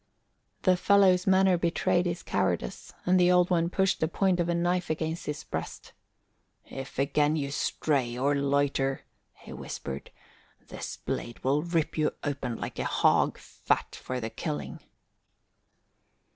The fellow's manner betrayed his cowardice and the Old One pushed the point of a knife against his breast. "If again you stray or loiter," he whispered, "this blade will rip you open like a hog fat for the killing."